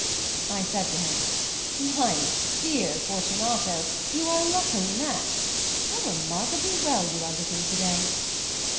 I said to him: "My dear Fortunato, you are luckily met. How remarkably well you are looking to day!